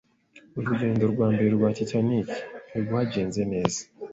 Urugendo rwa mbere rwa Titanic ntirwagenze neza.